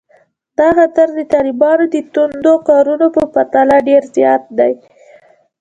دا خطر د طالبانو د توندو کارونو په پرتله ډېر زیات دی